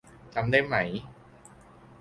จำได้ไหม ?